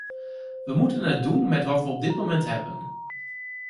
We moeten het doen met wat we op dit moment hebben.